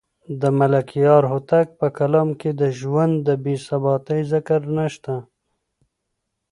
د ملکیار هوتک په کلام کې د ژوند د بې ثباتۍ ذکر نشته.